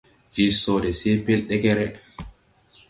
Je sode se pel deger.